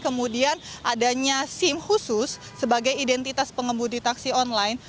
kemudian adanya sim khusus sebagai identitas pengemudi taksi online